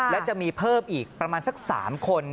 และก็จะมีเบิกอีกกว่าประมาณสักสามคน